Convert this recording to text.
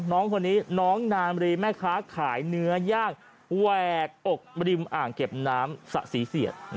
น้องคนนี้น้องนามรีแม่ค้าขายเนื้อย่างแหวกอกริมอ่างเก็บน้ำสะสีเสียด